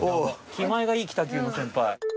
気前がいい北九の先輩。